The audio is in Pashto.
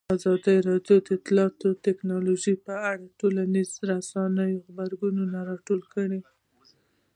ازادي راډیو د اطلاعاتی تکنالوژي په اړه د ټولنیزو رسنیو غبرګونونه راټول کړي.